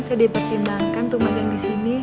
saya dipertimbangkan untuk makan disini